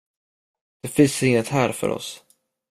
Det finns inget här för oss.